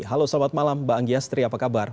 halo selamat malam mbak anggiastri apa kabar